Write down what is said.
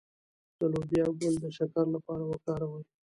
د لوبیا ګل د شکر لپاره وکاروئ